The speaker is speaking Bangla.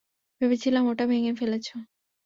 ভেবেছিলাম ওটা ভেঙ্গে ফেলেছ।